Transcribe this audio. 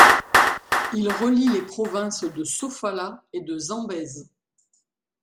Il relie les provinces de Sofala et de Zambèze.